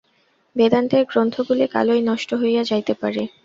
বেদান্তের গ্রন্থগুলি কালই নষ্ট হইয়া যাইতে পারে।